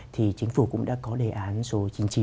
thì chính phủ cũng đã có đề án số chín mươi chín